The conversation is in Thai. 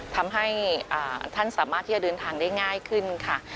ทำให้ท่านสามารถที่จะเดินทางได้ง่ายขึ้นค่ะ